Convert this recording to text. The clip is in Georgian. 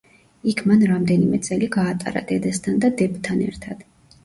იქ მან რამდენიმე წელი გაატარა, დედასთან და დებთან ერთად.